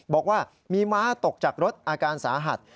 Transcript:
บอกว่ามีม้าตกจากรถอาการสาหัส